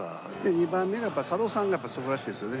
２番目が佐渡さんが素晴らしいですよね